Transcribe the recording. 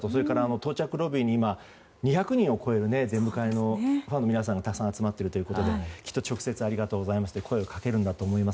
到着ロビーに２００人を超える出迎えのファンの皆さんがたくさん集まっているということで直接ありがとうございますと声をかけるんだと思います。